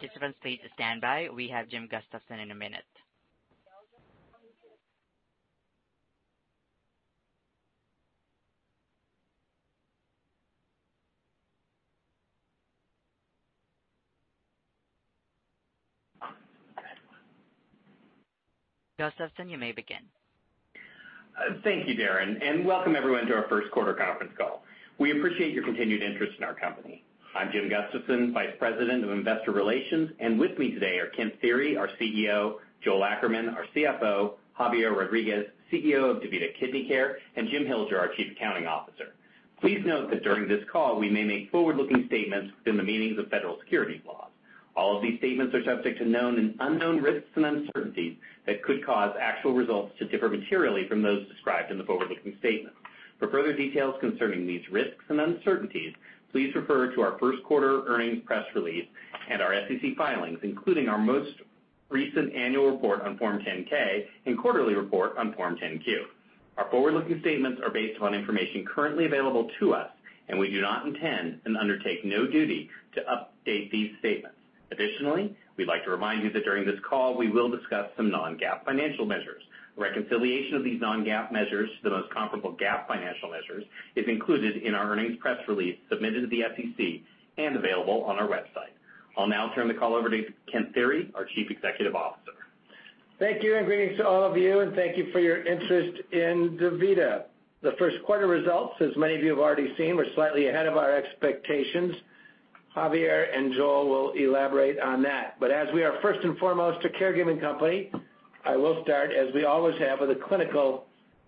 Participants, please standby. We have Jim Gustafson in a minute. Gustafson, you may begin. Thank you, Darren. Welcome everyone to our first quarter conference call. We appreciate your continued interest in our company. I'm Jim Gustafson, Vice President of Investor Relations, and with me today are Kent Thiry, our CEO, Joel Ackerman, our CFO, Javier Rodriguez, CEO of DaVita Kidney Care, and Jim Hilger, our Chief Accounting Officer. Please note that during this call, we may make forward-looking statements within the meanings of federal securities laws. All of these statements are subject to known and unknown risks and uncertainties that could cause actual results to differ materially from those described in the forward-looking statements. For further details concerning these risks and uncertainties, please refer to our first quarter earnings press release and our SEC filings, including our most recent annual report on Form 10-K, and quarterly report on Form 10-Q. Our forward-looking statements are based on information currently available to us. We do not intend and undertake no duty to update these statements. Additionally, we'd like to remind you that during this call, we will discuss some non-GAAP financial measures. Reconciliation of these non-GAAP measures to the most comparable GAAP financial measures is included in our earnings press release submitted to the SEC and available on our website. I'll now turn the call over to Kent Thiry, our Chief Executive Officer. Thank you. Greetings to all of you, and thank you for your interest in DaVita. The first quarter results, as many of you have already seen, were slightly ahead of our expectations. Javier and Joel will elaborate on that. As we are first and foremost a caregiving company, I will start, as we always have, with a clinical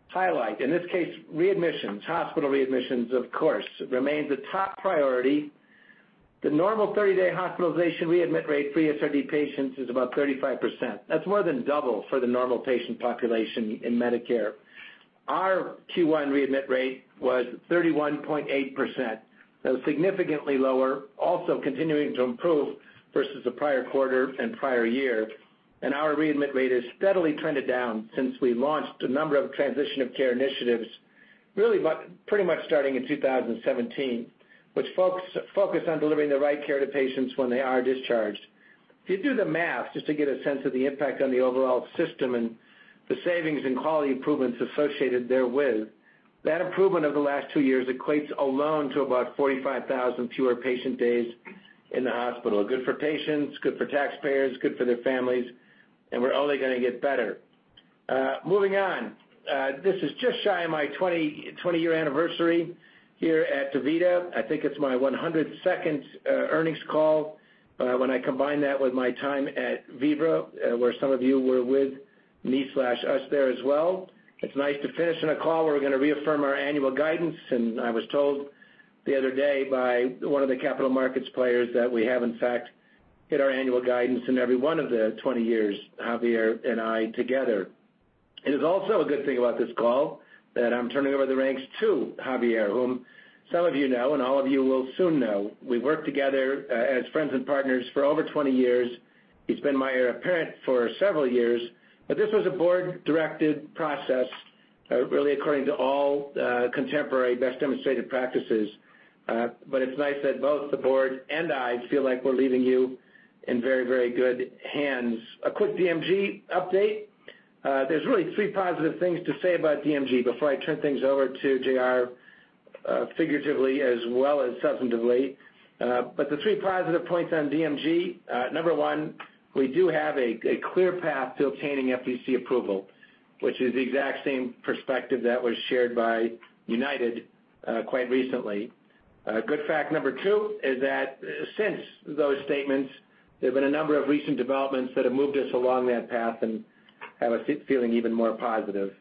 highlight. In this case, readmissions. Hospital readmissions, of course, remains a top priority. The normal 30-day hospitalization readmit rate for ESRD patients is about 35%. That's more than double for the normal patient population in Medicare. Our Q1 readmit rate was 31.8%, so significantly lower, also continuing to improve versus the prior quarter and prior year. Our readmit rate has steadily trended down since we launched a number of transition of care initiatives, really pretty much starting in 2017, which focus on delivering the right care to patients when they are discharged. If you do the math, just to get a sense of the impact on the overall system and the savings and quality improvements associated therewith, that improvement over the last two years equates alone to about 45,000 fewer patient days in the hospital. Good for patients, good for taxpayers, good for their families, and we're only going to get better. Moving on. This is just shy of my 20-year anniversary here at DaVita. I think it's my 102nd earnings call when I combine that with my time at Vivra, where some of you were with me/us there as well. It's nice to finish in a call where we're going to reaffirm our annual guidance. I was told the other day by one of the capital markets players that we have in fact hit our annual guidance in every one of the 20 years, Javier and I together. It is also a good thing about this call that I'm turning over the reins to Javier, whom some of you know, and all of you will soon know. We've worked together as friends and partners for over 20 years. He's been my heir apparent for several years. This was a board-directed process really according to all contemporary best demonstrated practices. It's nice that both the board and I feel like we're leaving you in very good hands. A quick DMG update. There's really three positive things to say about DMG before I turn things over to JR figuratively as well as substantively. The three positive points on DMG, number 1, we do have a clear path to obtaining FTC approval, which is the exact same perspective that was shared by United quite recently. Good fact number 2 is that since those statements, there have been a number of recent developments that have moved us along that path and have us feeling even more positive.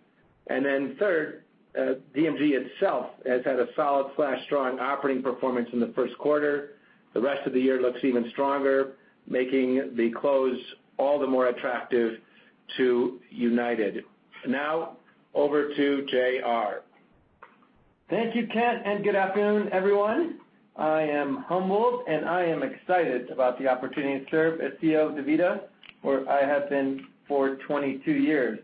Then third, DMG itself has had a solid/strong operating performance in the 1st quarter. The rest of the year looks even stronger, making the close all the more attractive to United. Now over to JR. Thank you, Kent. Good afternoon, everyone. I am humbled. I am excited about the opportunity to serve as CEO of DaVita, where I have been for 22 years.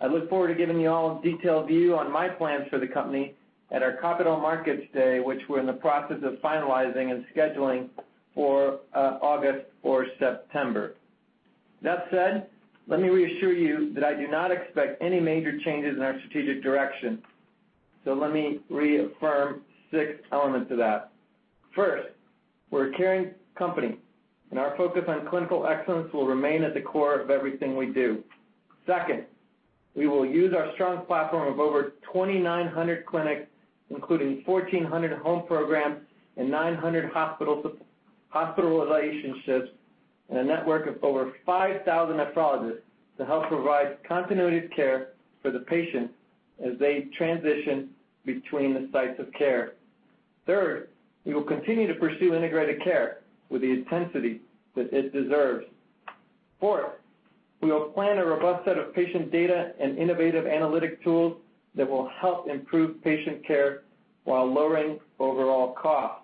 I look forward to giving you all a detailed view on my plans for the company at our Capital Markets Day, which we're in the process of finalizing and scheduling for August or September. That said, let me reassure you that I do not expect any major changes in our strategic direction. Let me reaffirm six elements of that. First, we're a caring company. Our focus on clinical excellence will remain at the core of everything we do. Second, we will use our strong platform of over 2,900 clinics, including 1,400 home programs and 900 hospital relationships, and a network of over 5,000 nephrologists to help provide continuity of care for the patient as they transition between the sites of care. Third, we will continue to pursue integrated care with the intensity that it deserves. Fourth, we will plan a robust set of patient data and innovative analytic tools that will help improve patient care while lowering overall cost.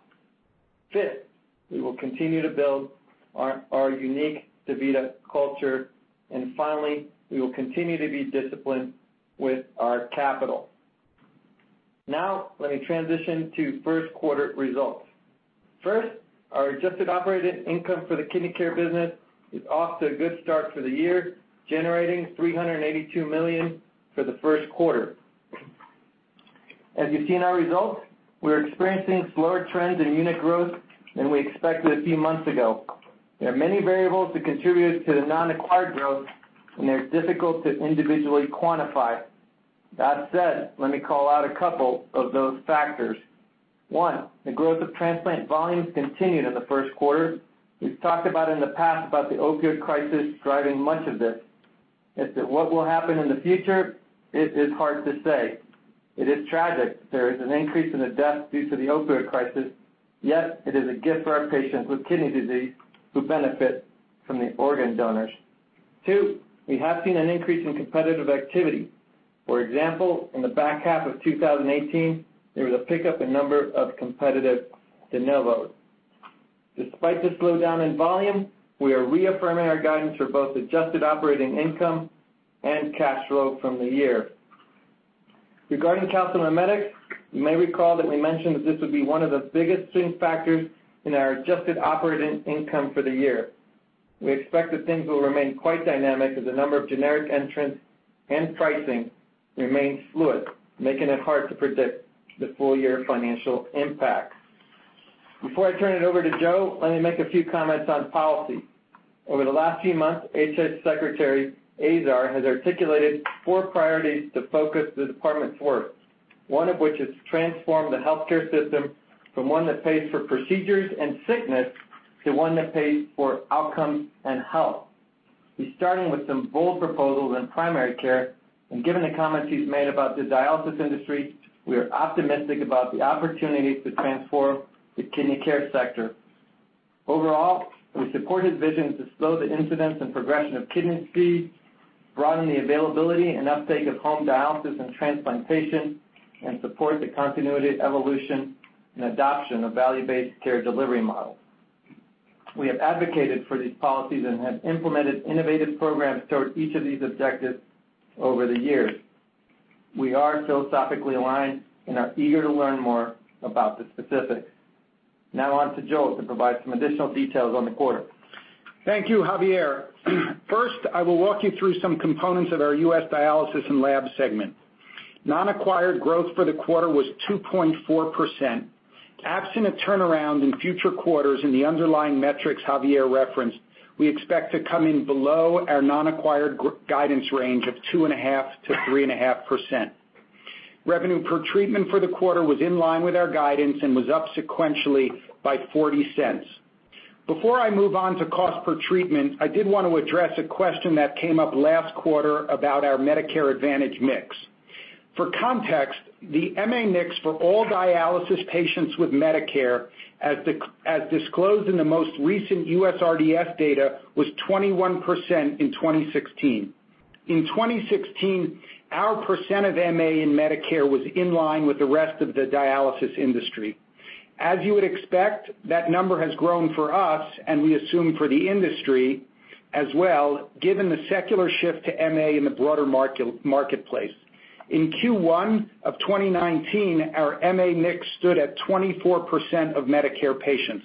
Fifth, we will continue to build our unique DaVita culture. Finally, we will continue to be disciplined with our capital. First, our adjusted operating income for the kidney care business is off to a good start for the year, generating $382 million for the first quarter. As you see in our results, we are experiencing slower trends in unit growth than we expected a few months ago. There are many variables that contribute to the non-acquired growth, they're difficult to individually quantify. That said, let me call out a couple of those factors. One, the growth of transplant volumes continued in the first quarter. We've talked about in the past about the opioid crisis driving much of this. As to what will happen in the future, it is hard to say. It is tragic there is an increase in the death due to the opioid crisis, yet it is a gift for our patients with kidney disease who benefit from the organ donors. Two, we have seen an increase in competitive activity. For example, in the back half of 2018, there was a pickup in number of competitive de novo. Despite the slowdown in volume, we are reaffirming our guidance for both adjusted operating income and cash flow from the year. Regarding calcimimetics, you may recall that we mentioned that this would be one of the biggest swing factors in our adjusted operating income for the year. We expect that things will remain quite dynamic as the number of generic entrants and pricing remain fluid, making it hard to predict the full-year financial impact. Before I turn it over to Joe, let me make a few comments on policy. Over the last few months, HHS Secretary Azar has articulated four priorities to focus the department's work. One of which is to transform the healthcare system from one that pays for procedures and sickness to one that pays for outcomes and health. He's starting with some bold proposals in primary care, given the comments he's made about the dialysis industry, we are optimistic about the opportunities to transform the kidney care sector. Overall, we support his vision to slow the incidence and progression of kidney disease, broaden the availability and uptake of home dialysis and transplantation, support the continuity, evolution, and adoption of value-based care delivery models. We have advocated for these policies and have implemented innovative programs toward each of these objectives over the years. We are philosophically aligned and are eager to learn more about the specifics. On to Joe to provide some additional details on the quarter. Thank you, Javier. First, I will walk you through some components of our U.S. dialysis and lab segment. Non-acquired growth for the quarter was 2.4%. Absent a turnaround in future quarters in the underlying metrics Javier referenced, we expect to come in below our non-acquired guidance range of 2.5%-3.5%. Revenue per treatment for the quarter was in line with our guidance and was up sequentially by $0.40. Before I move on to cost per treatment, I did want to address a question that came up last quarter about our Medicare Advantage mix. For context, the MA mix for all dialysis patients with Medicare, as disclosed in the most recent USRDS data, was 21% in 2016. In 2016, our percent of MA in Medicare was in line with the rest of the dialysis industry. As you would expect, that number has grown for us, and we assume for the industry as well, given the secular shift to MA in the broader marketplace. In Q1 of 2019, our MA mix stood at 24% of Medicare patients.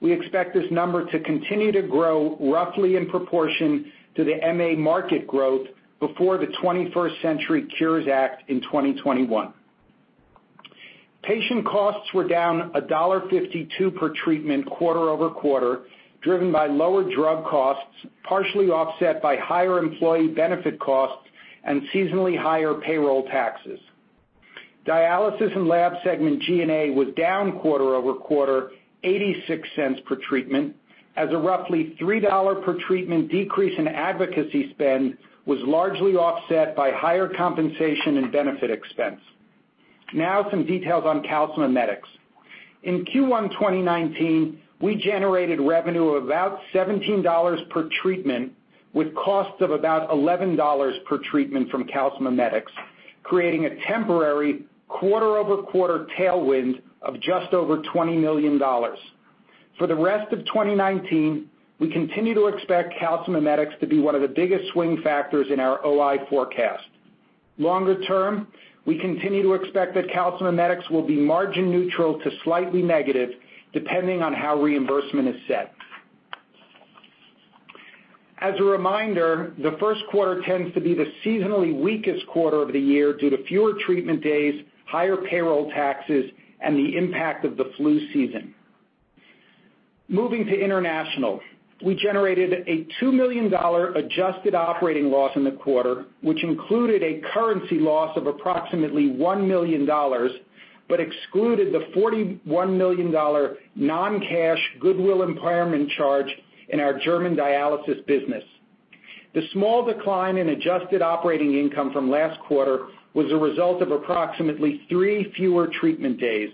We expect this number to continue to grow roughly in proportion to the MA market growth before the 21st Century Cures Act in 2021. Patient costs were down $1.52 per treatment quarter-over-quarter, driven by lower drug costs, partially offset by higher employee benefit costs and seasonally higher payroll taxes. Dialysis and lab segment G&A was down quarter-over-quarter $0.86 per treatment, as a roughly $3 per treatment decrease in advocacy spend was largely offset by higher compensation and benefit expense. Some details on calcimimetics. In Q1 2019, we generated revenue of about $17 per treatment, with costs of about $11 per treatment from calcimimetics, creating a temporary quarter-over-quarter tailwind of just over $20 million. For the rest of 2019, we continue to expect calcimimetics to be one of the biggest swing factors in our OI forecast. Longer term, we continue to expect that calcimimetics will be margin neutral to slightly negative, depending on how reimbursement is set. As a reminder, the first quarter tends to be the seasonally weakest quarter of the year due to fewer treatment days, higher payroll taxes, and the impact of the flu season. Moving to international. We generated a $2 million adjusted operating loss in the quarter, which included a currency loss of approximately $1 million, but excluded the $41 million non-cash goodwill impairment charge in our German dialysis business. The small decline in adjusted operating income from last quarter was a result of approximately three fewer treatment days.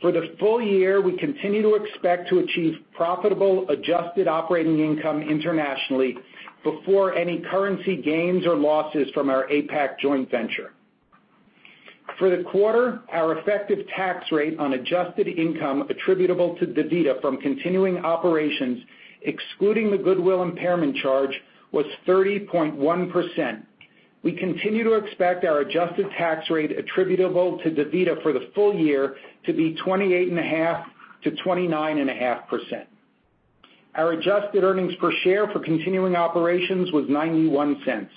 For the full year, we continue to expect to achieve profitable adjusted operating income internationally before any currency gains or losses from our APAC joint venture. For the quarter, our effective tax rate on adjusted income attributable to DaVita from continuing operations, excluding the goodwill impairment charge, was 30.1%. We continue to expect our adjusted tax rate attributable to DaVita for the full year to be 28.5%-29.5%. Our adjusted earnings per share for continuing operations was $0.91.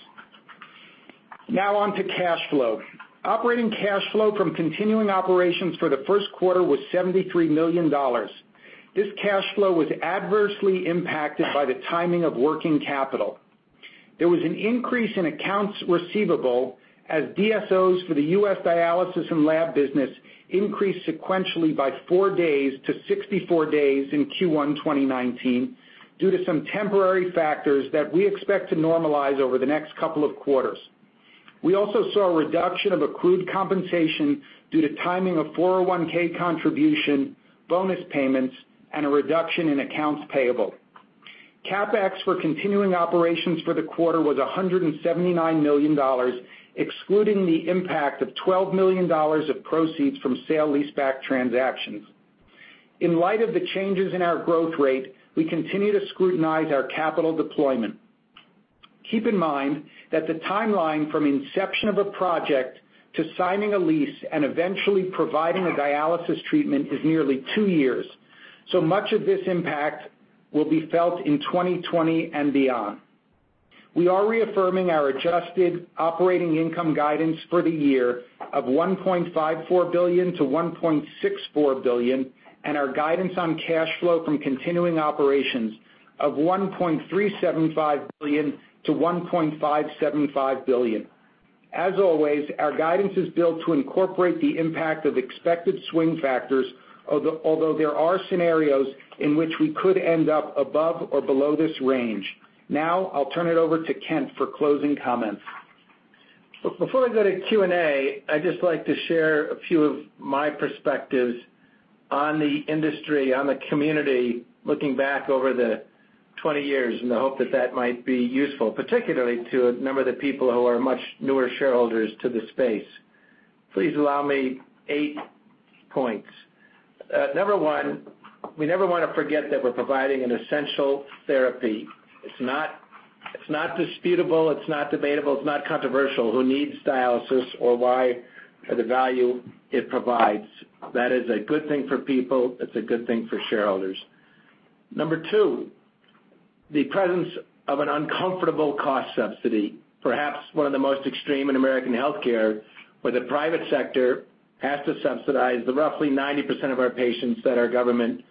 On to cash flow. Operating cash flow from continuing operations for the first quarter was $73 million. This cash flow was adversely impacted by the timing of working capital. There was an increase in accounts receivable as DSOs for the U.S. dialysis and lab business increased sequentially by four days to 64 days in Q1 2019 due to some temporary factors that we expect to normalize over the next couple of quarters. We also saw a reduction of accrued compensation due to timing of 401(k) contribution, bonus payments, and a reduction in accounts payable. CapEx for continuing operations for the quarter was $179 million, excluding the impact of $12 million of proceeds from sale-leaseback transactions. In light of the changes in our growth rate, we continue to scrutinize our capital deployment. Keep in mind that the timeline from inception of a project to signing a lease and eventually providing a dialysis treatment is nearly two years. Much of this impact will be felt in 2020 and beyond. We are reaffirming our adjusted operating income guidance for the year of $1.54 billion-$1.64 billion and our guidance on cash flow from continuing operations of $1.375 billion-$1.575 billion. As always, our guidance is built to incorporate the impact of expected swing factors, although there are scenarios in which we could end up above or below this range. Now, I'll turn it over to Kent for closing comments. Before I go to Q&A, I'd just like to share a few of my perspectives on the industry, on the community, looking back over the 20 years in the hope that that might be useful, particularly to a number of the people who are much newer shareholders to the space. Please allow me eight points. Number one, we never want to forget that we're providing an essential therapy. It's not disputable, it's not debatable, it's not controversial who needs dialysis or why, or the value it provides. That is a good thing for people. It's a good thing for shareholders. Number two, the presence of an uncomfortable cost subsidy, perhaps one of the most extreme in American healthcare, where the private sector has to subsidize the roughly 90% of our patients that our government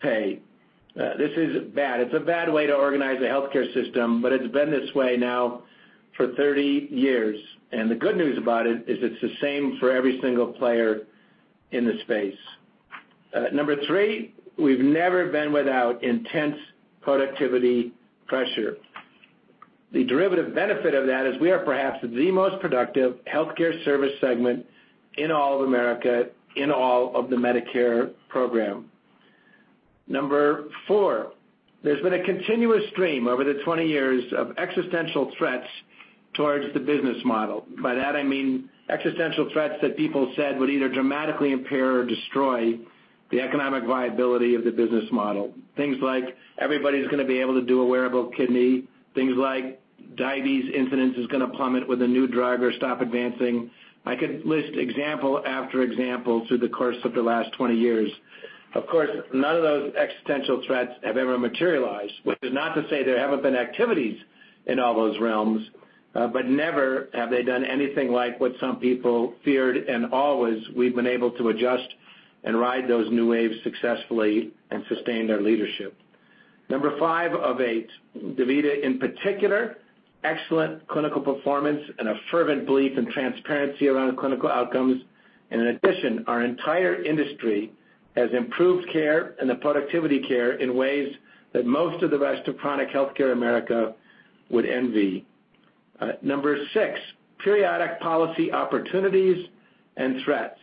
pay. This is bad. It's a bad way to organize a healthcare system, but it's been this way now for 30 years. The good news about it is it's the same for every single player in the space. Number three, we've never been without intense productivity pressure. The derivative benefit of that is we are perhaps the most productive healthcare service segment in all of America, in all of the Medicare program. Number four, there's been a continuous stream over the 20 years of existential threats towards the business model. By that, I mean existential threats that people said would either dramatically impair or destroy the economic viability of the business model. Things like everybody's going to be able to do a wearable kidney, things like diabetes incidence is going to plummet with a new drug or stop advancing. I could list example after example through the course of the last 20 years. Of course, none of those existential threats have ever materialized, which is not to say there haven't been activities in all those realms, but never have they done anything like what some people feared and always we've been able to adjust and ride those new waves successfully and sustain our leadership. Number five of eight, DaVita in particular, excellent clinical performance and a fervent belief in transparency around clinical outcomes. In addition, our entire industry has improved care and the productivity care in ways that most of the rest of chronic healthcare America would envy. Number six, periodic policy opportunities and threats.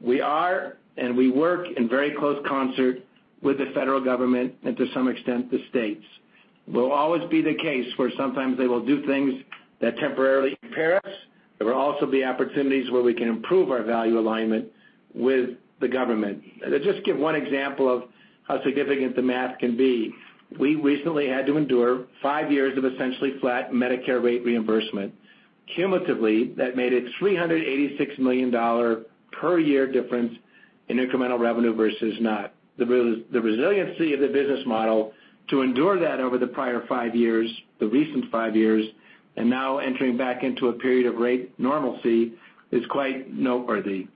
We work in very close concert with the federal government and to some extent, the states. Will always be the case where sometimes they will do things that temporarily impair us. There will also be opportunities where we can improve our value alignment with the government. To just give one example of how significant the math can be. We recently had to endure five years of essentially flat Medicare rate reimbursement. Cumulatively, that made a $386 million per year difference in incremental revenue versus not. The resiliency of the business model to endure that over the prior five years, the recent five years, and now entering back into a period of rate normalcy is quite noteworthy.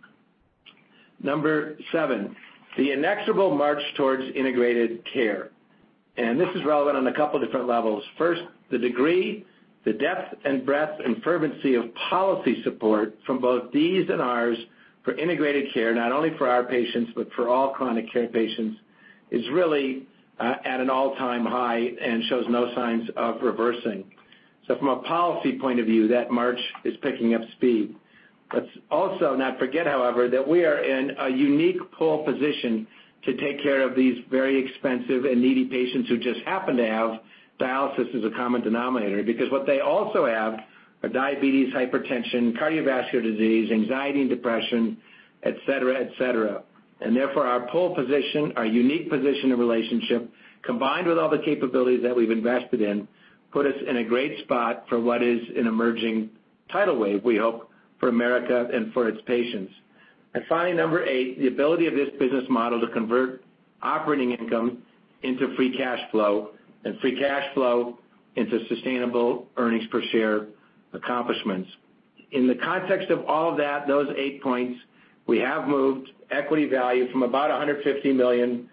Number seven, the inexorable march towards integrated care. This is relevant on a couple different levels. First, the degree, the depth and breadth and fervency of policy support from both Ds and Rs for integrated care, not only for our patients, but for all chronic care patients, is really at an all-time high and shows no signs of reversing. From a policy point of view, that march is picking up speed. Let's also not forget, however, that we are in a unique pole position to take care of these very expensive and needy patients who just happen to have dialysis as a common denominator, because what they also have are diabetes, hypertension, cardiovascular disease, anxiety and depression, et cetera. Therefore our pole position, our unique position and relationship, combined with all the capabilities that we've invested in, put us in a great spot for what is an emerging tidal wave, we hope, for America and for its patients. Finally, number eight, the ability of this business model to convert operating income into free cash flow, and free cash flow into sustainable earnings per share accomplishments. In the context of all of that, those eight points, we have moved equity value from about $150 million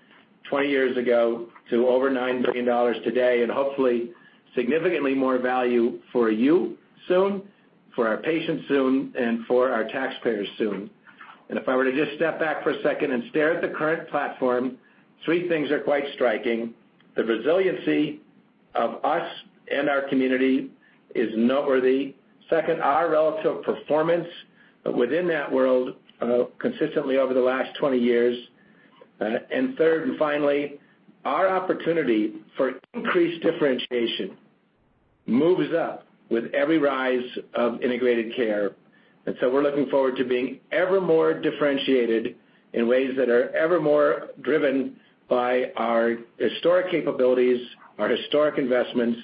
20 years ago to over $9 billion today, and hopefully significantly more value for you soon, for our patients soon, and for our taxpayers soon. If I were to just step back for a second and stare at the current platform, three things are quite striking. The resiliency of us and our community is noteworthy. Second, our relative performance within that world consistently over the last 20 years. Third and finally, our opportunity for increased differentiation moves up with every rise of integrated care. So we're looking forward to being ever more differentiated in ways that are ever more driven by our historic capabilities, our historic investments,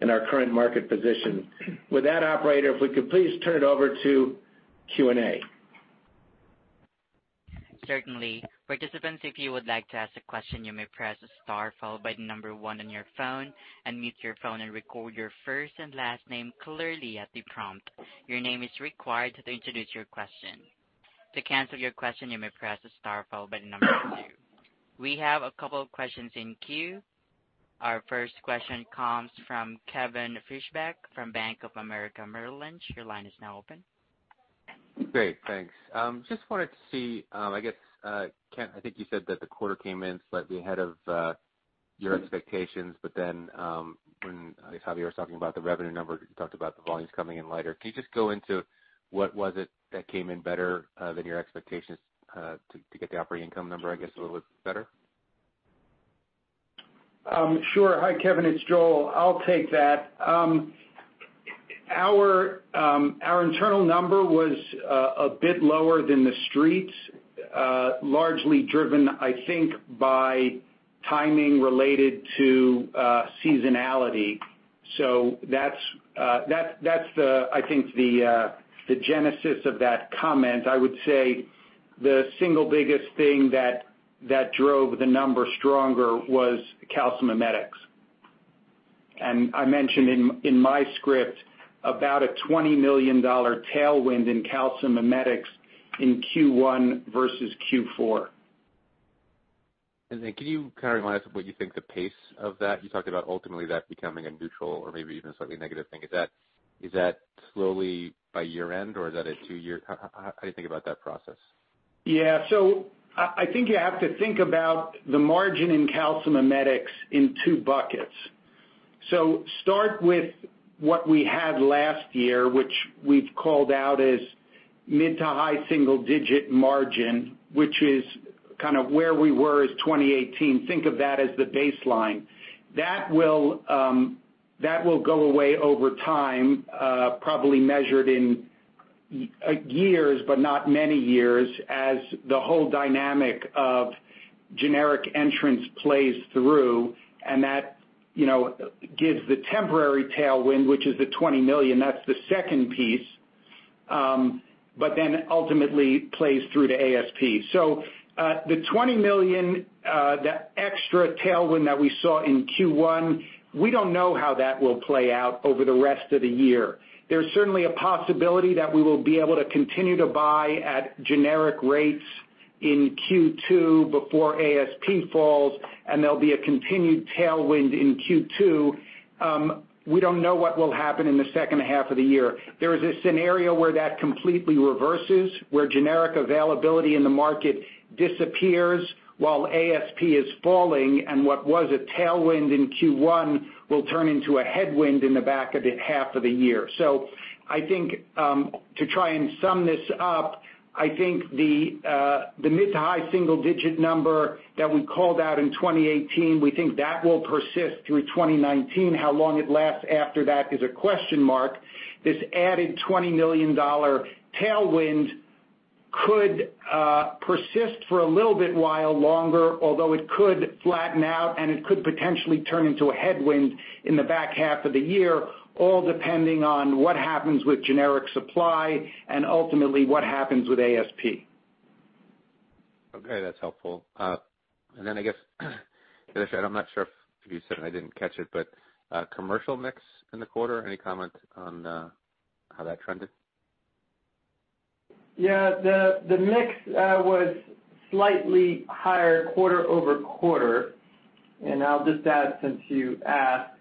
and our current market position. With that, operator, if we could please turn it over to Q&A. Certainly. Participants, if you would like to ask a question, you may press star followed by the number 1 on your phone, unmute your phone and record your first and last name clearly at the prompt. Your name is required to introduce your question. To cancel your question, you may press star followed by the number 2. We have a couple of questions in queue. Our first question comes from Kevin Fischbeck from Bank of America Merrill Lynch. Your line is now open. Great. Thanks. Just wanted to see, I guess, Kent, I think you said that the quarter came in slightly ahead of your expectations, when, I guess, Javi, you were talking about the revenue number, you talked about the volumes coming in lighter. Can you just go into what was it that came in better than your expectations, to get the operating income number, I guess, a little bit better? Sure. Hi, Kevin. It's Joel. I'll take that. Our internal number was a bit lower than the street, largely driven, I think, by timing related to seasonality. That's the, I think, the genesis of that comment. I would say the single biggest thing that drove the number stronger was calcimimetics. I mentioned in my script about a $20 million tailwind in calcimimetics in Q1 versus Q4. Can you kind of remind us of what you think the pace of that? You talked about ultimately that becoming a neutral or maybe even a slightly negative thing. Is that slowly by year-end, or is that a two year? How do you think about that process? I think you have to think about the margin in calcimimetics in two buckets. Start with what we had last year, which we've called out as mid to high single digit margin, which is kind of where we were as 2018. Think of that as the baseline. That will go away over time, probably measured in years, but not many years, as the whole dynamic of generic entrants plays through, and that gives the temporary tailwind, which is the $20 million. That's the second piece. Ultimately plays through to ASP. The $20 million, the extra tailwind that we saw in Q1, we don't know how that will play out over the rest of the year. There's certainly a possibility that we will be able to continue to buy at generic rates in Q2 before ASP falls, and there'll be a continued tailwind in Q2. We don't know what will happen in the second half of the year. There is a scenario where that completely reverses, where generic availability in the market disappears while ASP is falling, and what was a tailwind in Q1 will turn into a headwind in the back half of the year. I think, to try and sum this up, I think the mid to high single digit number that we called out in 2018, we think that will persist through 2019. How long it lasts after that is a question mark. This added $20 million tailwind could persist for a little bit while longer, although it could flatten out and it could potentially turn into a headwind in the back half of the year, all depending on what happens with generic supply and ultimately what happens with ASP. Okay, that's helpful. I guess, the other thing, I'm not sure if you said and I didn't catch it, commercial mix in the quarter, any comment on how that trended? Yeah, the mix was slightly higher quarter-over-quarter. I'll just add, since you asked,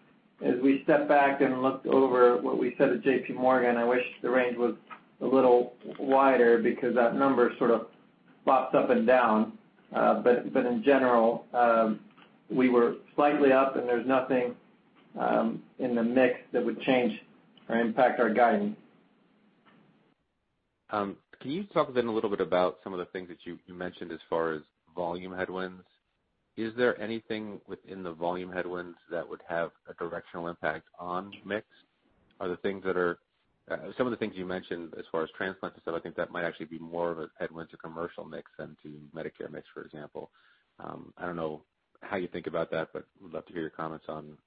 as we stepped back and looked over what we said at J.P. Morgan, I wish the range was a little wider because that number sort of bopped up and down. In general, we were slightly up and there's nothing in the mix that would change or impact our guidance. Can you talk then a little bit about some of the things that you mentioned as far as volume headwinds? Is there anything within the volume headwinds that would have a directional impact on mix? Some of the things you mentioned as far as transplants and stuff, I think that might actually be more of a headwind to commercial mix than to Medicare mix, for example. I don't know how you think about that. Would love to hear your comments on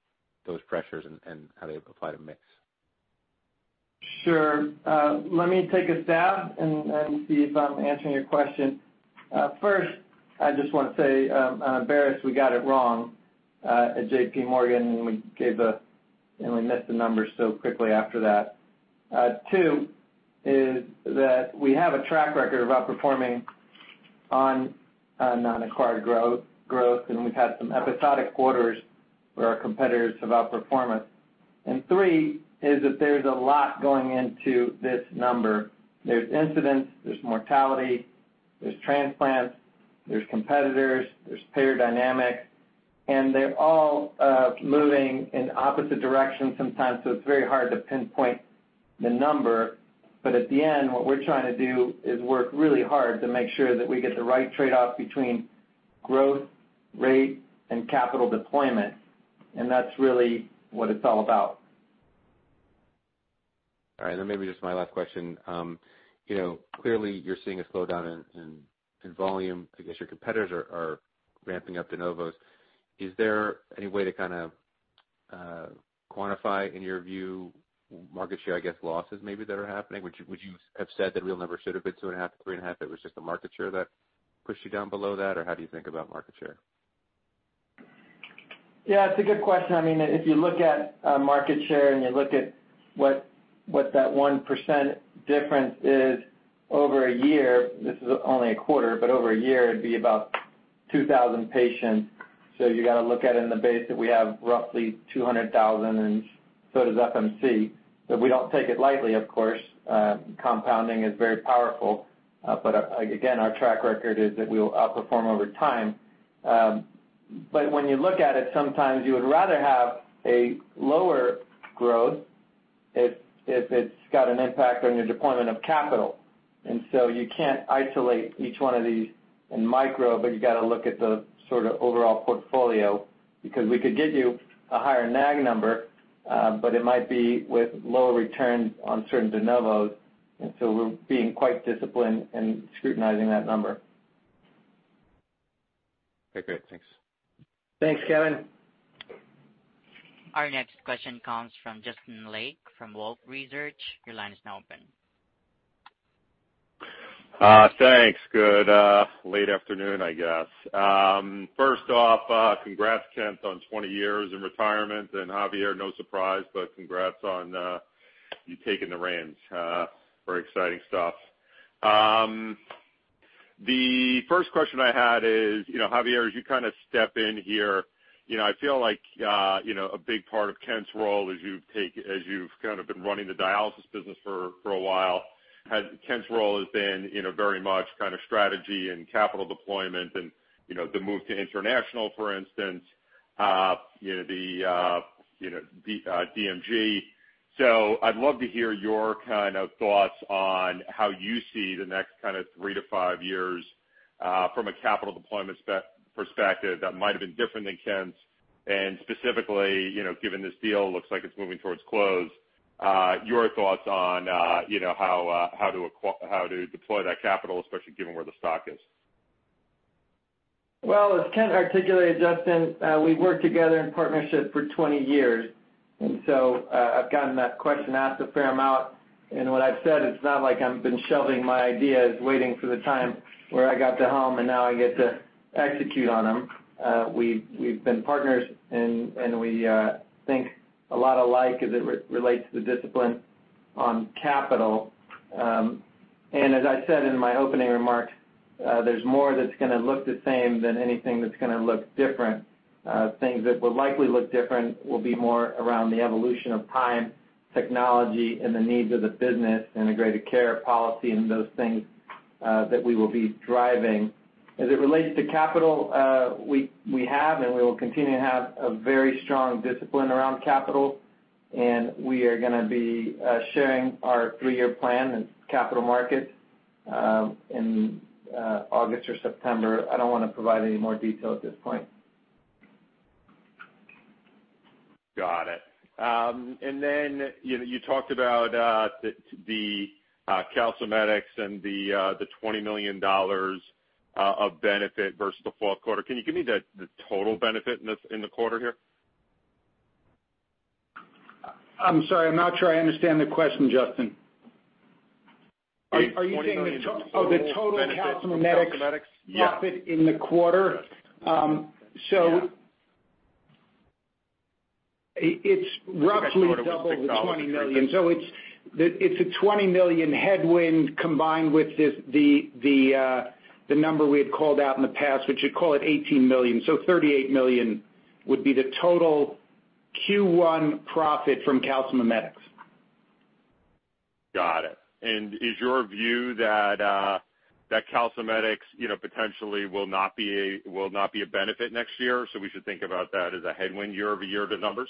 those pressures and how they apply to mix. Sure. Let me take a stab and see if I'm answering your question. First, I just want to say, on bear us, we got it wrong at J.P. Morgan. We missed the numbers so quickly after that. Two is that we have a track record of outperforming on non-acquired growth. We've had some episodic quarters where our competitors have outperformed us. Three is that there's a lot going into this number. There's incidence, there's mortality, there's transplants, there's competitors, there's payer dynamics. They're all moving in opposite directions sometimes, so it's very hard to pinpoint the number. At the end, what we're trying to do is work really hard to make sure that we get the right trade-off between growth, rate, and capital deployment. That's really what it's all about. All right. Maybe just my last question. Clearly you're seeing a slowdown in volume. I guess your competitors are ramping up de novos. Is there any way to quantify, in your view, market share, I guess, losses maybe that are happening? Would you have said that real number should have been two and a half, three and a half, it was just the market share that pushed you down below that? How do you think about market share? Yeah, it's a good question. If you look at market share and you look at what that 1% difference is over a year, this is only a quarter. Over a year, it'd be about 2,000 patients. You got to look at it in the base that we have roughly 200,000, and so does FMC. We don't take it lightly, of course. Compounding is very powerful. Again, our track record is that we will outperform over time. When you look at it, sometimes you would rather have a lower growth if it's got an impact on your deployment of capital. You can't isolate each one of these in micro, but you got to look at the sort of overall portfolio, because we could give you a higher NAG number, but it might be with lower returns on certain de novos, and so we're being quite disciplined in scrutinizing that number. Okay, great. Thanks. Thanks, Kevin. Our next question comes from Justin Lake from Wolfe Research. Your line is now open. Thanks. Good late afternoon, I guess. First off, congrats, Kent, on 20 years in retirement. Javier, no surprise, but congrats on you taking the reins. Very exciting stuff. The first question I had is, Javier, as you kind of step in here, I feel like a big part of Kent's role as you've kind of been running the dialysis business for a while, Kent's role has been very much kind of strategy and capital deployment and the move to international, for instance, the DMG. I'd love to hear your thoughts on how you see the next 3 to 5 years from a capital deployment perspective that might have been different than Kent's, and specifically, given this deal looks like it's moving towards close, your thoughts on how to deploy that capital, especially given where the stock is. Well, as Kent articulated, Justin, we've worked together in partnership for 20 years. I've gotten that question asked a fair amount. What I've said, it's not like I've been shelving my ideas, waiting for the time where I got to home, and now I get to execute on them. We've been partners, and we think a lot alike as it relates to discipline on capital. As I said in my opening remarks, there's more that's going to look the same than anything that's going to look different. Things that will likely look different will be more around the evolution of time, technology, and the needs of the business, integrated care policy, and those things that we will be driving. As it relates to capital, we have and we will continue to have a very strong discipline around capital, and we are going to be sharing our 3-year plan in capital markets in August or September. I don't want to provide any more detail at this point. Got it. You talked about the calcimimetics and the $20 million of benefit versus the fourth quarter. Can you give me the total benefit in the quarter here? I'm sorry, I'm not sure I understand the question, Justin. The $20 million total benefit- Oh, the total calcimimetics- calcimimetics, yeah profit in the quarter? Yes. It's roughly double the $20 million. It's a $20 million headwind combined with the number we had called out in the past, which you call it $18 million. $38 million would be the total Q1 profit from calcimimetics. Got it. Is your view that calcimimetics potentially will not be a benefit next year, so we should think about that as a headwind year-over-year to numbers?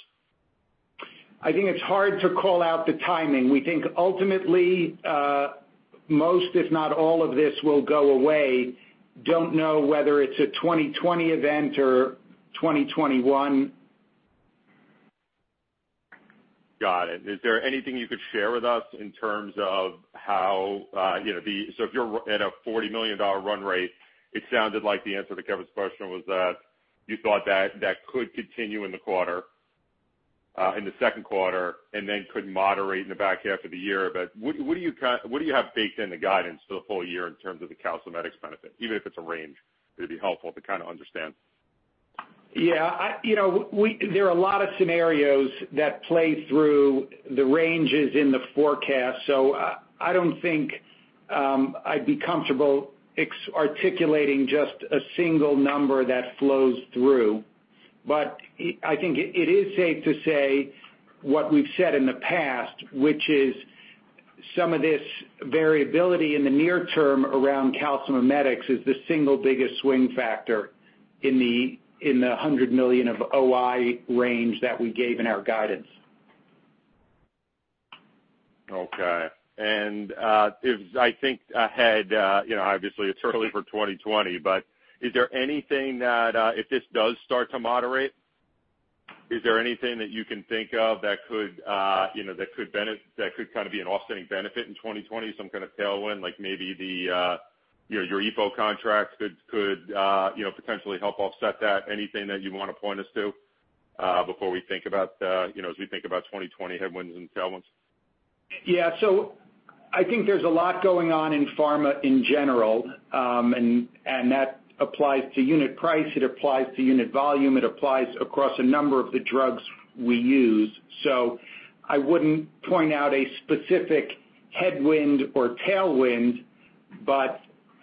I think it's hard to call out the timing. We think ultimately, most, if not all of this will go away. Don't know whether it's a 2020 event or 2021. Got it. Is there anything you could share with us in terms of how if you're at a $40 million run rate, it sounded like the answer to Kevin's question was that you thought that could continue in the second quarter, and then could moderate in the back half of the year. What do you have baked in the guidance for the full year in terms of the calcimimetics benefit? Even if it's a range, it would be helpful to understand. Yeah. There are a lot of scenarios that play through the ranges in the forecast, I don't think I would be comfortable articulating just a single number that flows through. I think it is safe to say what we have said in the past, which is some of this variability in the near term around calcimimetics is the single biggest swing factor in the $100 million of OI range that we gave in our guidance. Okay. I think ahead, obviously it is early for 2020, if this does start to moderate, is there anything that you can think of that could be an offsetting benefit in 2020, some kind of tailwind, like maybe your EPO contracts could potentially help offset that? Anything that you want to point us to as we think about 2020 headwinds and tailwinds? Yeah. I think there is a lot going on in pharma in general. That applies to unit price, it applies to unit volume, it applies across a number of the drugs we use. I wouldn't point out a specific headwind or tailwind,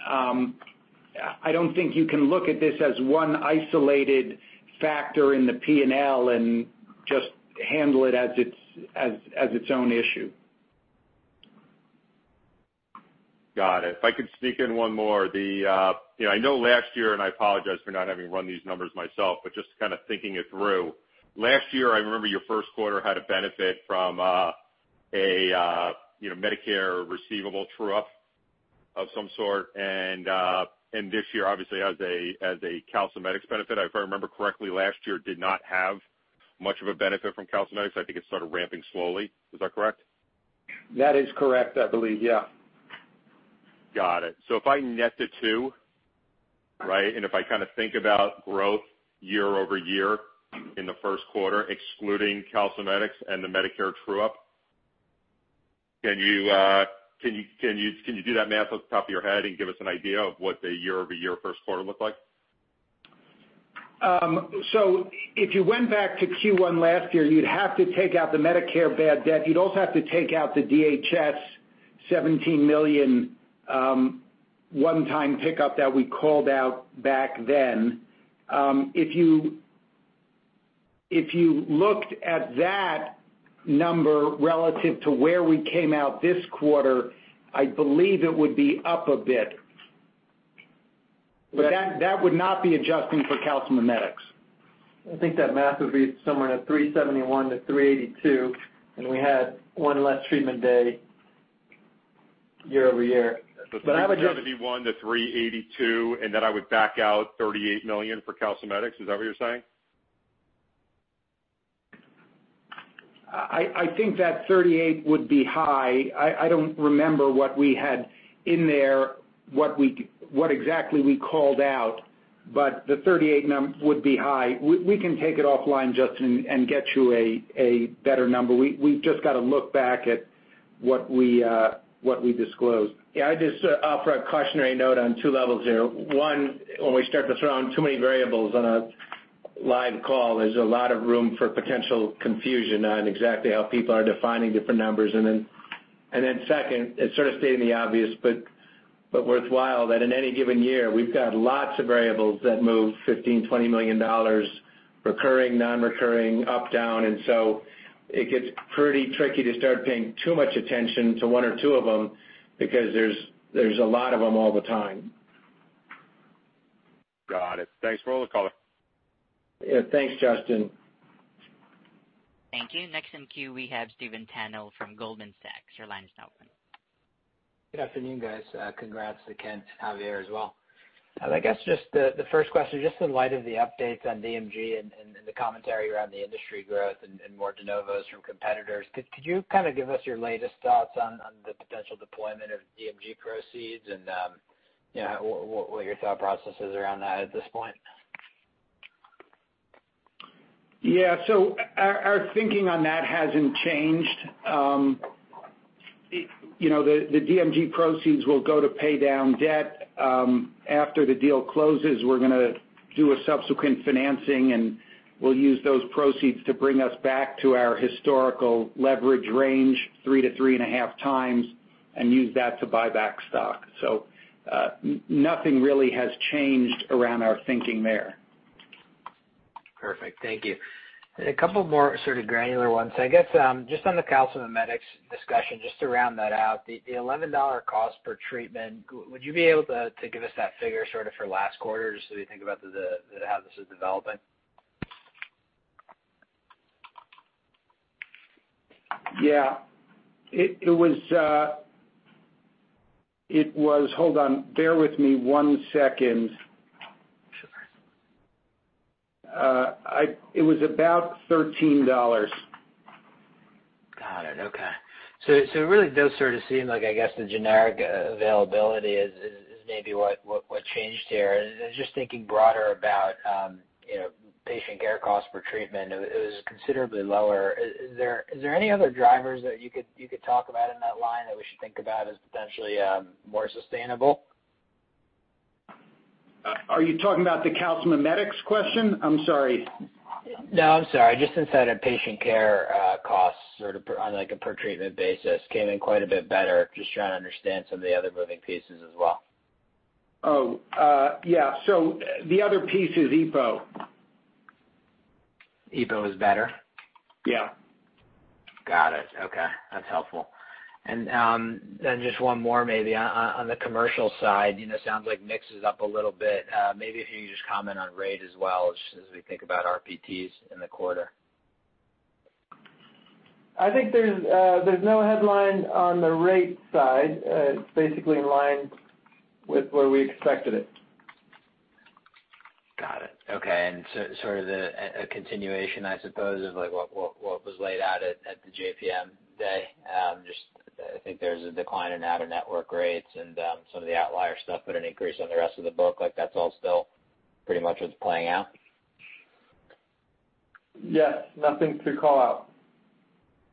I don't think you can look at this as one isolated factor in the P&L and just handle it as its own issue. Got it. If I could sneak in one more. I know last year, I apologize for not having run these numbers myself, but just thinking it through. Last year, I remember your first quarter had a benefit from a Medicare receivable true-up of some sort. This year, obviously as a calcimimetics benefit, if I remember correctly, last year did not have much of a benefit from calcimimetics. I think it started ramping slowly. Is that correct? That is correct, I believe. Yeah. Got it. If I net the two, right? If I think about growth year-over-year in the first quarter, excluding calcimimetics and the Medicare true-up, can you do that math off the top of your head and give us an idea of what the year-over-year first quarter looked like? If you went back to Q1 last year, you'd have to take out the Medicare bad debt. You'd also have to take out the DHS $17 million one-time pickup that we called out back then. If you looked at that number relative to where we came out this quarter, I believe it would be up a bit. That would not be adjusting for calcimimetics. I think that math would be somewhere in the $371 to $382, and we had one less treatment day year-over-year. $371 to $382, then I would back out $38 million for calcimimetics. Is that what you're saying? I think that $38 would be high. I don't remember what we had in there, what exactly we called out, the $38 number would be high. We can take it offline, Justin, and get you a better number. We've just got to look back at what we disclosed. Yeah, I'd just offer a cautionary note on two levels here. One, when we start to throw on too many variables on a live call, there's a lot of room for potential confusion on exactly how people are defining different numbers. Then second, it's sort of stating the obvious, but worthwhile, that in any given year, we've got lots of variables that move $15 million, $20 million, recurring, non-recurring, up, down. It gets pretty tricky to start paying too much attention to one or two of them because there's a lot of them all the time. Got it. Thanks for all the color. Yeah. Thanks, Justin. Thank you. Next in queue, we have Stephen Tanal from Goldman Sachs. Your line is now open. Good afternoon, guys. Congrats to Kent, Javier as well. I guess just the first question, just in light of the updates on DMG and the commentary around the industry growth and more de novos from competitors, could you give us your latest thoughts on the potential deployment of DMG proceeds and what your thought process is around that at this point? Yeah. Our thinking on that hasn't changed. The DMG proceeds will go to pay down debt. After the deal closes, we're going to do a subsequent financing, we'll use those proceeds to bring us back to our historical leverage range, three to three and a half times, and use that to buy back stock. Nothing really has changed around our thinking there. Perfect. Thank you. A couple more sort of granular ones. I guess, on the calcimimetics discussion, to round that out, the $11 cost per treatment, would you be able to give us that figure sort of for last quarter, just so we think about how this is developing? Yeah. It was Hold on. Bear with me one second. Sure. It was about $13. Got it. Okay. It really does sort of seem like, I guess, the generic availability is maybe what changed here. Just thinking broader about patient care cost per treatment, it was considerably lower. Is there any other drivers that you could talk about in that line that we should think about as potentially more sustainable? Are you talking about the calcimimetics question? I'm sorry. No, I'm sorry. Just inside of patient care costs sort of on like a per treatment basis, came in quite a bit better. Just trying to understand some of the other moving pieces as well. Oh, yeah. The other piece is EPO. EPO is better? Yeah. Got it. Okay. That's helpful. Then just one more maybe on the commercial side, sounds like mix is up a little bit. Maybe if you could just comment on rate as well as we think about RPTs in the quarter. I think there's no headline on the rate side. It's basically in line with where we expected it. Got it. Okay. Sort of a continuation, I suppose, of what was laid out at the JPM day. Just, I think there's a decline in out-of-network rates and some of the outlier stuff, but an increase on the rest of the book. Like that's all still pretty much what's playing out? Yes. Nothing to call out.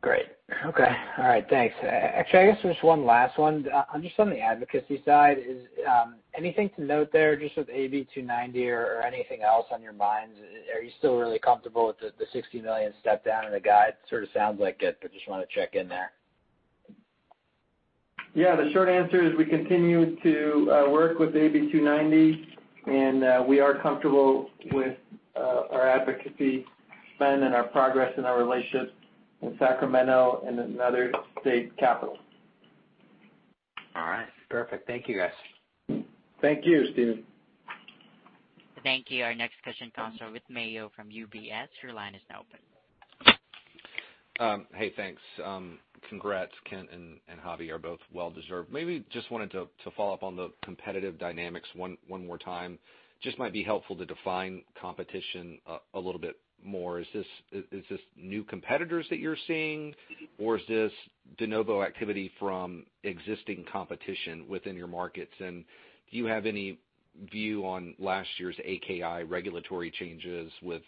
Great. Okay. All right. Thanks. Actually, I guess just one last one. Just on the advocacy side, is anything to note there, just with AB 290 or anything else on your mind? Are you still really comfortable with the $60 million step down in the guide? Sort of sounds like it, but just want to check in there. Yeah. The short answer is we continue to work with AB 290, and we are comfortable with our advocacy spend and our progress and our relationships in Sacramento and in other state capitals. All right. Perfect. Thank you, guys. Thank you, Stephen. Thank you. Our next question comes from Whit Mayo from UBS. Your line is now open. Hey, thanks. Congrats, Kent and Javi, are both well deserved. Maybe just wanted to follow up on the competitive dynamics one more time. Just might be helpful to define competition a little bit more. Is this new competitors that you're seeing? Or is this de novo activity from existing competition within your markets? Do you have any view on last year's AKI regulatory changes with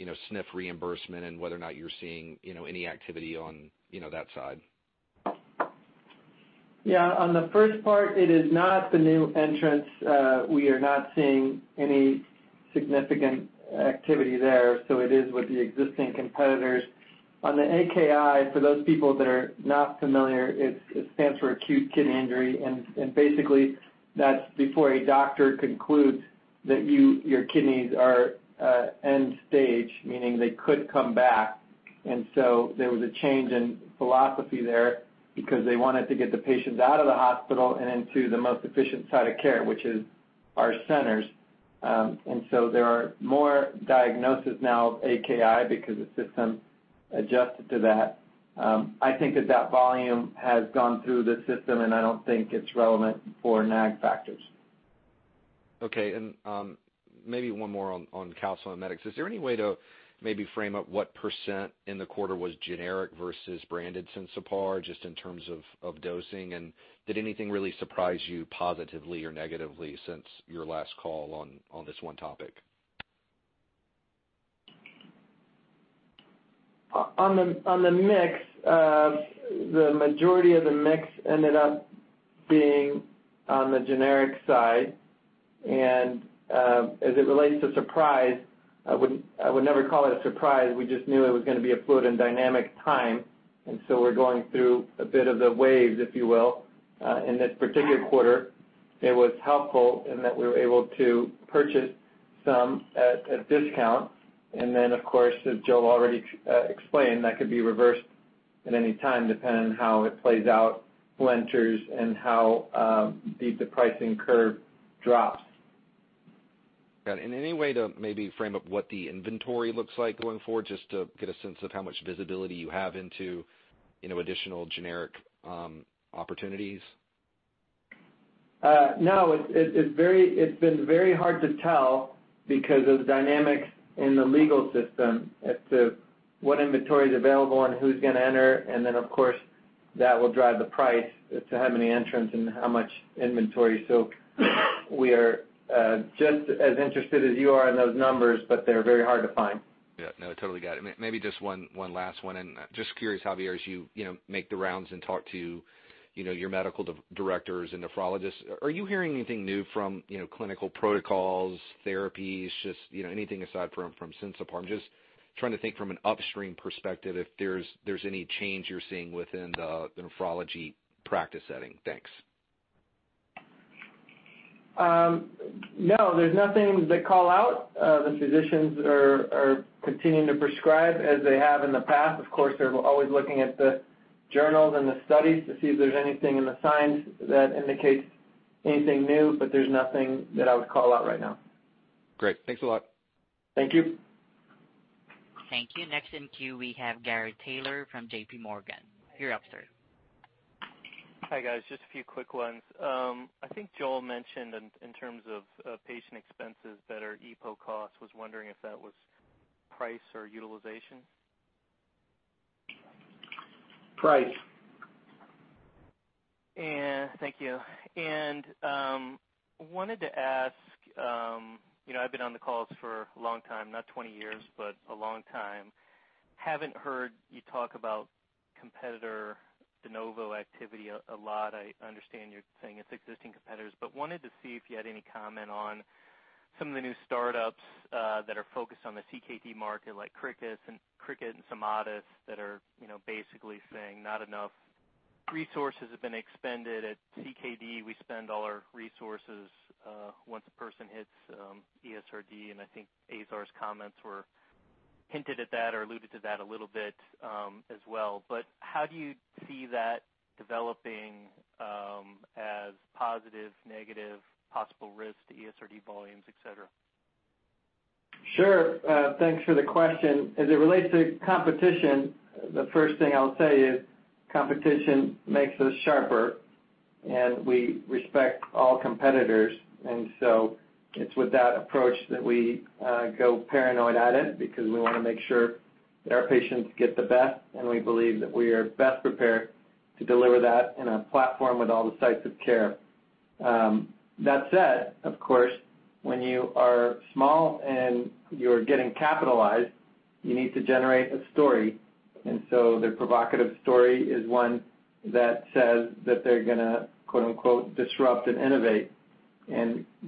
SNF reimbursement and whether or not you're seeing any activity on that side? Yeah. On the first part, it is not the new entrants. We are not seeing any significant activity there, so it is with the existing competitors. On the AKI, for those people that are not familiar, it stands for acute kidney injury, and basically that's before a doctor concludes that your kidneys are end stage, meaning they could come back. So there was a change in philosophy there because they wanted to get the patients out of the hospital and into the most efficient site of care, which is our centers. So there are more diagnoses now of AKI because the system adjusted to that. I think that volume has gone through the system, and I don't think it's relevant for NAG factors. Okay. Maybe one more on calcimimetics. Is there any way to maybe frame up what % in the quarter was generic versus branded Sensipar, just in terms of dosing? Did anything really surprise you positively or negatively since your last call on this one topic? On the mix, the majority of the mix ended up being on the generic side. As it relates to surprise, I would never call it a surprise. We just knew it was going to be a fluid and dynamic time, and so we're going through a bit of the waves, if you will, in this particular quarter. It was helpful in that we were able to purchase some at discount. Then, of course, as Joe already explained, that could be reversed at any time, depending on how it plays out with entrants and how the pricing curve drops. Got it. Any way to maybe frame up what the inventory looks like going forward, just to get a sense of how much visibility you have into additional generic opportunities? No, it's been very hard to tell because of the dynamics in the legal system as to what inventory is available and who's going to enter, and then of course, that will drive the price as to how many entrants and how much inventory. We are just as interested as you are in those numbers, but they're very hard to find. Yeah, no, totally got it. Just curious, Javier, as you make the rounds and talk to your medical directors and nephrologists, are you hearing anything new from clinical protocols, therapies, just anything aside from Sensipar? I'm just trying to think from an upstream perspective, if there's any change you're seeing within the nephrology practice setting. Thanks. No, there's nothing to call out. The physicians are continuing to prescribe as they have in the past. Of course, they're always looking at the journals and the studies to see if there's anything in the signs that indicates anything new. There's nothing that I would call out right now. Great. Thanks a lot. Thank you. Thank you. Next in queue, we have Gary Taylor from J.P. Morgan. You're up, sir. Hi, guys. Just a few quick ones. I think Joel mentioned in terms of patient expenses that our EPO cost, was wondering if that was price or utilization. Price. Thank you. Wanted to ask, I've been on the calls for a long time, not 20 years, but a long time. Haven't heard you talk about competitor de novo activity a lot. I understand you're saying it's existing competitors, but wanted to see if you had any comment on some of the new startups that are focused on the CKD market like Cricket and Somatus that are basically saying not enough resources have been expended at CKD. We spend all our resources, once a person hits ESRD, and I think Azar's comments were hinted at that or alluded to that a little bit, as well. How do you see that developing, as positive, negative possible risk to ESRD volumes, et cetera? Sure. Thanks for the question. As it relates to competition, the first thing I'll say is competition makes us sharper, and we respect all competitors. It's with that approach that we go paranoid at it because we want to make sure that our patients get the best, and we believe that we are best prepared to deliver that in a platform with all the sites of care. That said, of course, when you are small and you're getting capitalized, you need to generate a story. The provocative story is one that says that they're going to, quote unquote, "disrupt and innovate."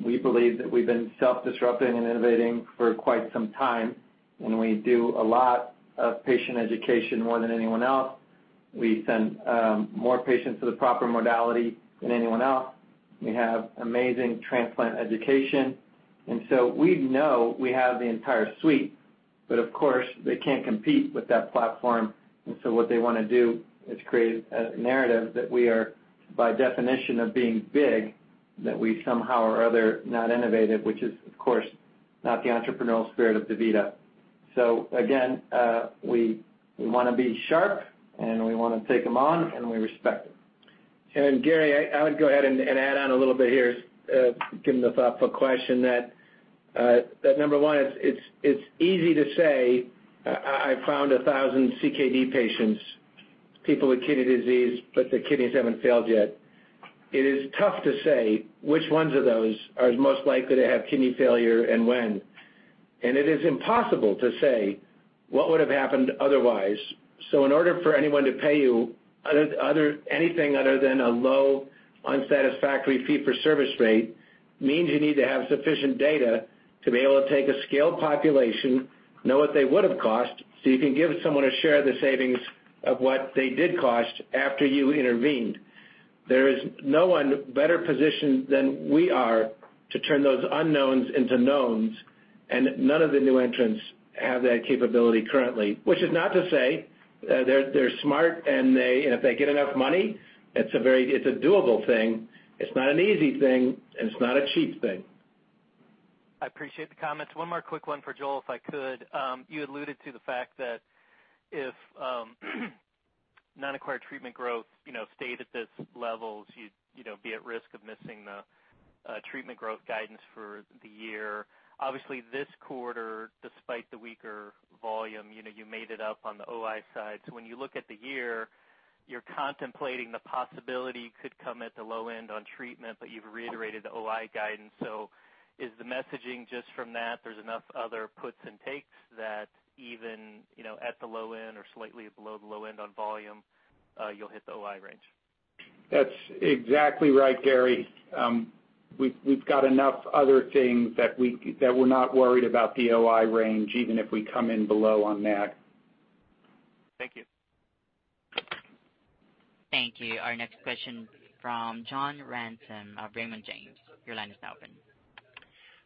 We believe that we've been self-disrupting and innovating for quite some time, and we do a lot of patient education more than anyone else. We send more patients to the proper modality than anyone else. We have amazing transplant education, we know we have the entire suite. Of course, they can't compete with that platform, what they want to do is create a narrative that we are, by definition of being big, that we somehow or other not innovative, which is, of course, not the entrepreneurial spirit of DaVita. Again, we want to be sharp and we want to take them on, and we respect them. Gary, I would go ahead and add on a little bit here, given the thoughtful question that, number one, it's easy to say, I found 1,000 CKD patients, people with kidney disease, but their kidneys haven't failed yet. It is tough to say which ones of those are most likely to have kidney failure and when. It is impossible to say what would have happened otherwise. In order for anyone to pay you anything other than a low, unsatisfactory fee-for-service rate means you need to have sufficient data to be able to take a scaled population, know what they would've cost, so you can give someone a share of the savings of what they did cost after you intervened. There is no one better positioned than we are to turn those unknowns into knowns, and none of the new entrants have that capability currently. Which is not to say, they're smart and if they get enough money, it's a doable thing. It's not an easy thing, and it's not a cheap thing. I appreciate the comments. One more quick one for Joel, if I could. You alluded to the fact that if non-acquired treatment growth stayed at this levels, you'd be at risk of missing the treatment growth guidance for the year. Obviously, this quarter, despite the weaker volume, you made it up on the OI side. When you look at the year, you're contemplating the possibility you could come at the low end on treatment, but you've reiterated the OI guidance. Is the messaging just from that, there's enough other puts and takes that even at the low end or slightly below the low end on volume, you'll hit the OI range? That's exactly right, Gary. We've got enough other things that we're not worried about the OI range, even if we come in below on that. Thank you. Thank you. Our next question from John Ransom of Raymond James. Your line is now open.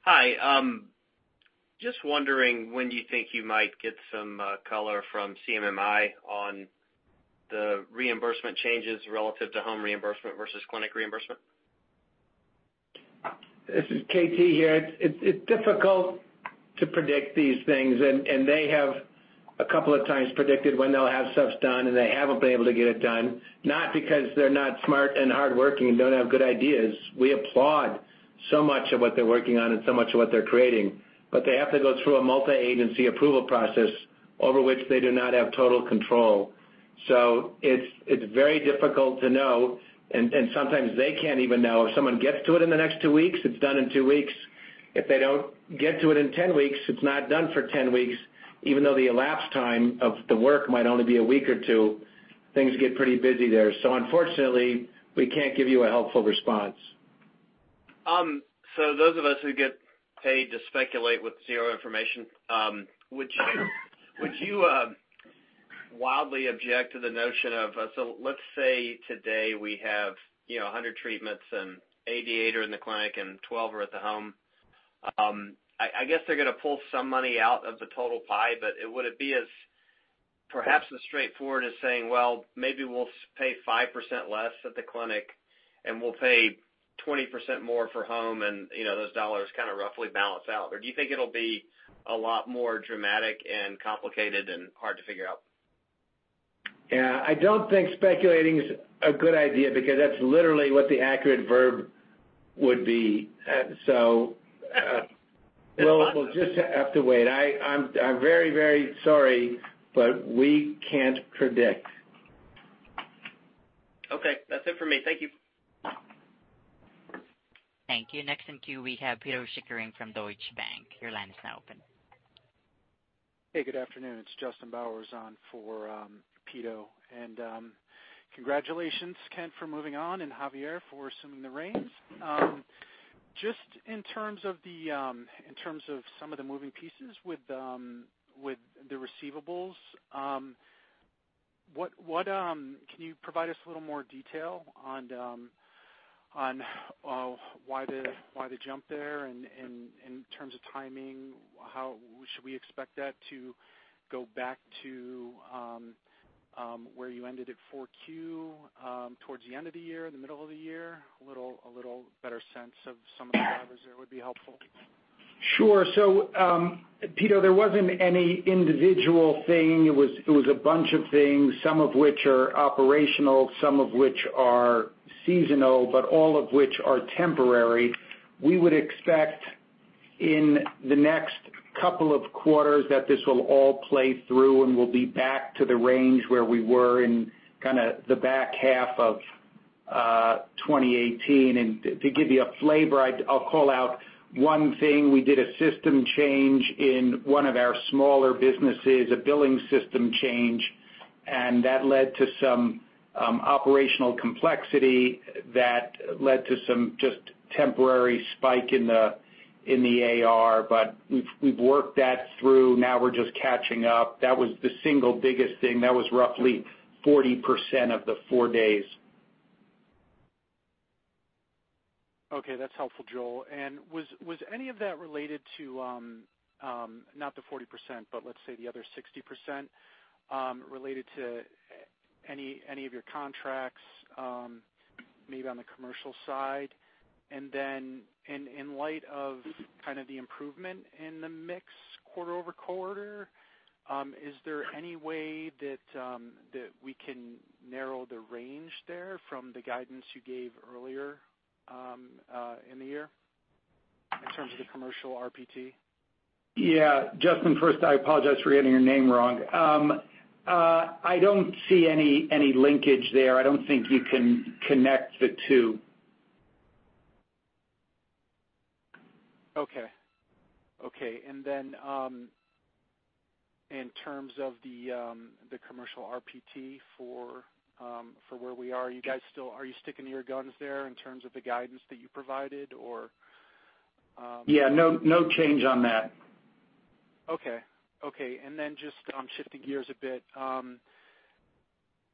Hi. Just wondering, when do you think you might get some color from CMMI on the reimbursement changes relative to home reimbursement versus clinic reimbursement? This is KT here. It's difficult to predict these things, and they have a couple of times predicted when they'll have stuff done and they haven't been able to get it done. Not because they're not smart and hardworking and don't have good ideas. We applaud so much of what they're working on and so much of what they're creating. They have to go through a multi-agency approval process over which they do not have total control. It's very difficult to know, and sometimes they can't even know. If someone gets to it in the next two weeks, it's done in two weeks. If they don't get to it in 10 weeks, it's not done for 10 weeks, even though the elapsed time of the work might only be a week or two. Things get pretty busy there. Unfortunately, we can't give you a helpful response. Those of us who get paid to speculate with zero information, would you wildly object to the notion of, let's say today we have 100 treatments and 88 are in the clinic and 12 are at the home. I guess they're gonna pull some money out of the total pie, would it be as perhaps as straightforward as saying, well, maybe we'll pay 5% less at the clinic, and we'll pay 20% more for home, and those dollars roughly balance out. Do you think it'll be a lot more dramatic and complicated and hard to figure out? Yeah. I don't think speculating is a good idea, because that's literally what the accurate verb would be. We'll just have to wait. I'm very sorry, we can't predict. Okay. That's it for me. Thank you. Thank you. Next in queue, we have Pito Chickering from Deutsche Bank. Your line is now open. Hey, good afternoon. It's Justin Bowers on for Peter. Congratulations, Kent, for moving on, and Javier, for assuming the reins. Just in terms of some of the moving pieces with the receivables, can you provide us a little more detail on why the jump there, and in terms of timing, should we expect that to go back to where you ended at 4Q towards the end of the year, in the middle of the year? A little better sense of some of the drivers there would be helpful. Sure. Peter, there wasn't any individual thing. It was a bunch of things, some of which are operational, some of which are seasonal, but all of which are temporary. We would expect in the next couple of quarters that this will all play through, and we'll be back to the range where we were in the back half of 2018. To give you a flavor, I'll call out one thing. We did a system change in one of our smaller businesses, a billing system change, and that led to some operational complexity that led to some just temporary spike in the AR. We've worked that through. Now we're just catching up. That was the single biggest thing. That was roughly 40% of the four days. Okay, that's helpful, Joel. Was any of that related to, not the 40%, but let's say the other 60%, related to any of your contracts, maybe on the commercial side? Then in light of the improvement in the mix quarter-over-quarter, is there any way that we can narrow the range there from the guidance you gave earlier in the year in terms of the commercial RPT? Yeah. Justin, first, I apologize for getting your name wrong. I don't see any linkage there. I don't think you can connect the two. Okay. Then, in terms of the commercial RPT for where we are you sticking to your guns there in terms of the guidance that you provided? Yeah. No change on that. Okay. Then just shifting gears a bit,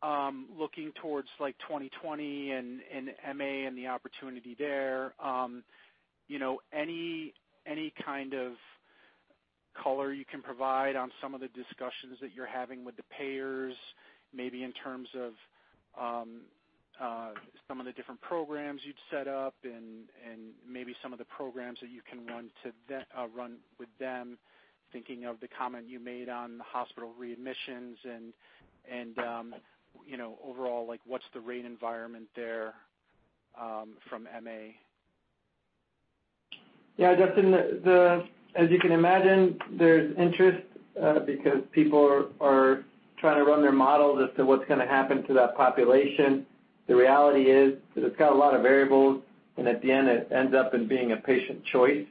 looking towards 2020 and MA and the opportunity there, any kind of color you can provide on some of the discussions that you're having with the payers, maybe in terms of some of the different programs you'd set up and maybe some of the programs that you can run with them, thinking of the comment you made on the hospital readmissions and overall, what's the rate environment there from MA? Justin, as you can imagine, there's interest because people are trying to run their models as to what's going to happen to that population. The reality is that it's got a lot of variables, and at the end, it ends up in being a patient choice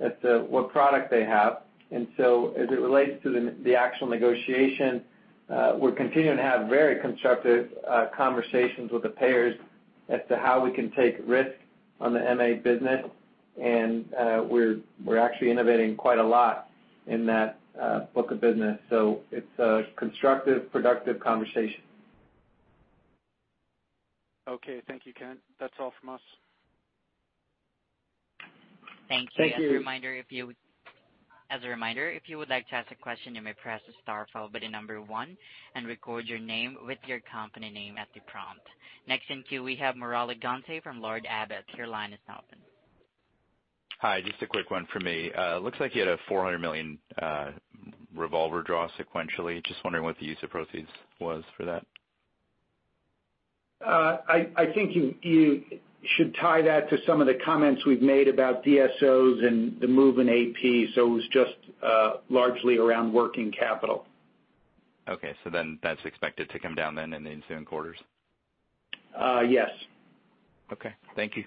as to what product they have. As it relates to the actual negotiation, we're continuing to have very constructive conversations with the payers as to how we can take risks on the MA business. We're actually innovating quite a lot in that book of business. It's a constructive, productive conversation. Okay. Thank you, Kent. That's all from us. Thank you. As a reminder, if you would like to ask a question, you may press star followed by the number one, and record your name with your company name at the prompt. Next in queue, we have Murali Ganti from Lord Abbett. Your line is now open. Hi, just a quick one for me. Looks like you had a $400 million revolver draw sequentially. Just wondering what the use of proceeds was for that. I think you should tie that to some of the comments we've made about DSOs and the move in AP. It was just largely around working capital. That's expected to come down then in the ensuing quarters? Yes. Thank you.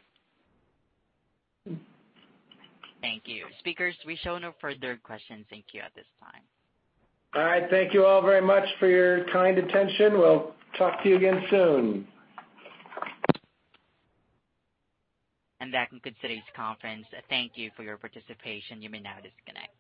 Thank you. Speakers, we show no further questions in queue at this time. All right. Thank you all very much for your kind attention. We'll talk to you again soon. That concludes today's conference. Thank you for your participation. You may now disconnect.